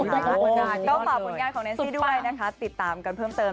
ก็ฝากผลงานของแนนซี่ด้วยนะคะติดตามกันเพิ่มเติม